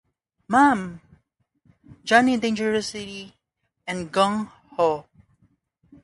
Mom", "Johnny Dangerously" and "Gung Ho".